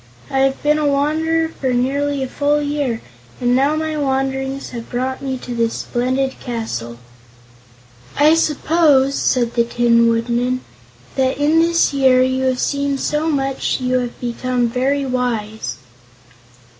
I have been a wanderer for nearly a full year, and now my wanderings have brought me to this splendid castle." "I suppose," said the Tin Woodman, "that in this year you have seen so much that you have become very wise."